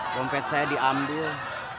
bumpet saya diambil